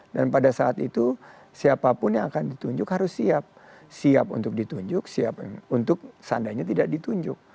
dan pada saat itu siapapun yang akan ditunjuk harus siap siap untuk ditunjuk siap untuk seandainya tidak ditunjuk